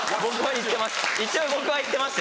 僕は行ってます